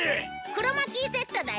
クロマキーセットだよ